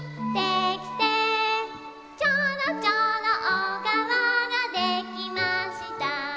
「ちょろちょろおがわができました」